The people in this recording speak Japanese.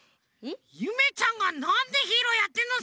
ゆめちゃんがなんでヒーローやってんのさ！